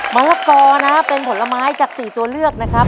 มะละกอนะเป็นผลไม้จาก๔ตัวเลือกนะครับ